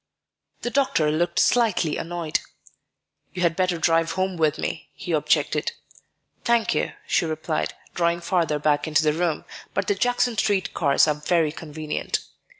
The doctor looked slightly annoyed. "You had better drive home with me," he objected. "Thank you," she replied, drawing farther back into the room; "but the Jackson Street cars are very convenient."